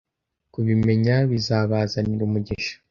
kubimenya bizabazanira umugisha